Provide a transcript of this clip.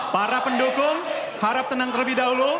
para pendukung harap tenang terlebih dahulu